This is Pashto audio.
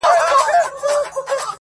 ما پر سترګو د ټولواک امر منلی.!